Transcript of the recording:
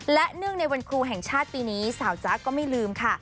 และเนื่องในวันครูแห่งชาติปีนี้สาวจ๊ะก็ไม่ลืมค่ะ